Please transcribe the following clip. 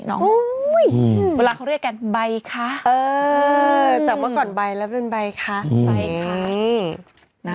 น้องอุ้ยวันละเขาเรียกกันใบค่ะเออจับมาก่อนใบแล้วเรียนใบค่ะใบค่ะ